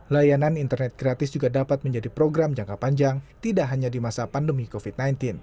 layanan internet gratis juga dapat menjadi program jangka panjang tidak hanya di masa pandemi covid sembilan belas